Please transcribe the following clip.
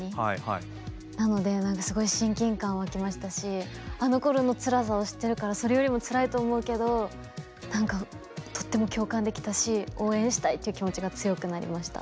なのですごい親近感湧きましたしあのころのつらさを知ってるからそれよりもつらいと思うけど何かとっても共感できたし応援したいっていう気持ちが強くなりました。